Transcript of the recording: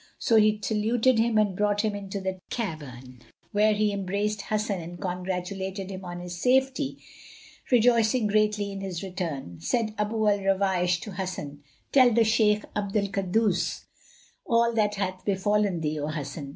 So he saluted him and brought him into the cavern, where he embraced Hasan and congratulated him on his safety, rejoicing greatly in his return. Then said Abu al Ruwaysh to Hasan, "Tell the Shaykh Abd al Kaddus all that hath befallen thee, O Hasan."